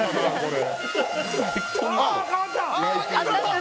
あっ変わった！